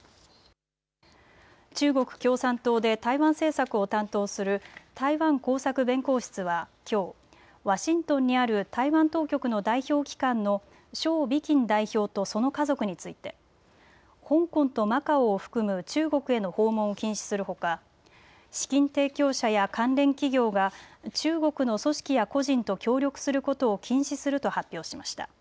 中国共産党で台湾政策を担当する台湾工作弁公室はきょうワシントンにある台湾当局の代表機関の蕭美琴代表とその家族について香港とマカオを含む中国への訪問を禁止するほか資金提供者や関連企業が中国の組織や個人と協力することを禁止すると発表しました。